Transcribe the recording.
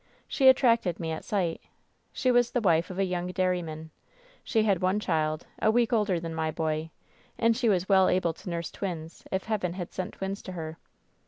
She attracted me at sight. She was the wife of a young dairyman. She had one child, a week older than my boy; and she was well able to nurse twins, if Heaven had sent twins to her.